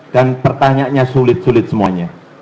dan pertanyaannya sulit sulit semuanya